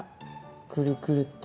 くるくるっと。